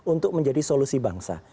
untuk menjadi solusi bangsa